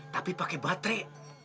tapi pakai baterai